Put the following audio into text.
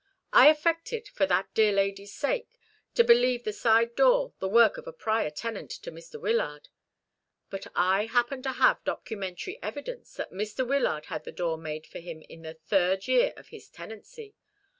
I affected for that dear lady's sake to believe the side door the work of a prior tenant to Mr. Wyllard. But I happen to have documentary evidence that Mr. Wyllard had the door made for him in the third year of his tenancy.